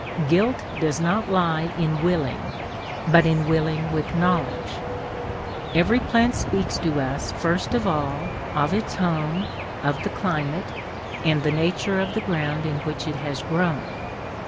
Guilt does not lie in willing, but in willing with knowledge. Every plant speaks to us first of all of its home, of the climate, and the nature of the ground in which it has grown.